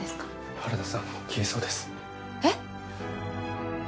原田さん消えそうですえっ！？